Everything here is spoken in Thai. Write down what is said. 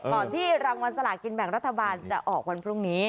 ก่อนที่รางวัลสลากินแบ่งรัฐบาลจะออกวันพรุ่งนี้